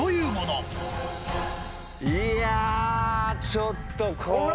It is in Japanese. いやちょっとこれ。